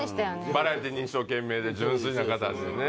バラエティーに一生懸命で純粋な方でね